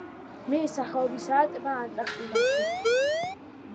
მისი სახელობისაა ტბა ანტარქტიდაში.